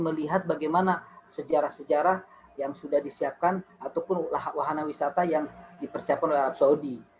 melihat bagaimana sejarah sejarah yang sudah disiapkan ataupun wahana wisata yang dipersiapkan oleh arab saudi